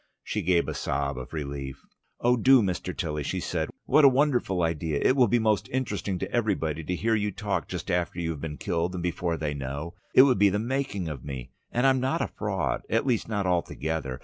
She gave a sob of relief. "Oh do, Mr. Tilly!" she said. "What a wonderful idea! It will be most interesting to everybody to hear you talk just after you've been killed and before they know. It would be the making of me! And I'm not a fraud, at least not altogether.